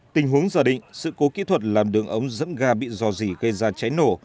tình huống giả định sự cố kỹ thuật làm đường ống dẫn ga bị dò dỉ gây ra cháy nổ